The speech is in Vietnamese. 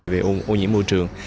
về ô nhiễm môi trường